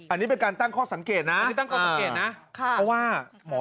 อันนี้เป็นการตั้งข้อสังเกตนะ